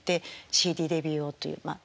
ＣＤデビューを」というまあ